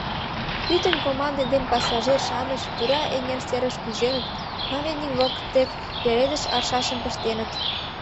Пӱтынь команде ден пассажир-шамыч тура эҥер серыш кӱзеныт, памятник воктек пеледыш аршашым пыштеныт.